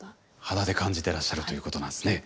肌で感じてらっしゃるということなんですね。